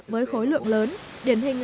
với khối lượng lớn